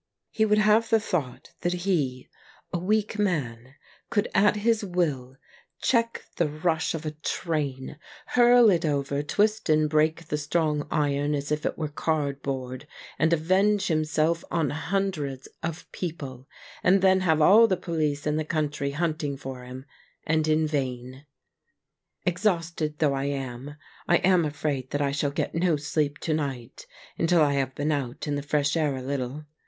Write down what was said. He would have the thought that he, a weak man, could at his will check the rush of a train, hurl it over, twist and break the strong iron as if it were cardboard, and avenge himself on hundreds of people ; and then have all the police in the country hunting for him — and in vain. Exhausted though I am, I am afraid that I shall get no sleep to night until I have been out in the fresh air a little.